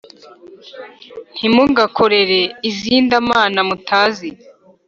ntimugakorere izinda mana mutazi